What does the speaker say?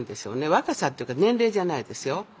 若さっていうか年齢じゃないですよ。